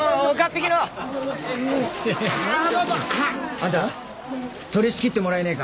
あんた取りしきってもらえねぇか？